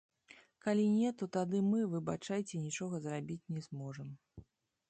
Калі не, то тады мы, выбачайце, нічога зрабіць не зможам.